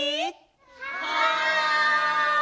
はい！